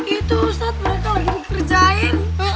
itu saat mereka lagi dikerjain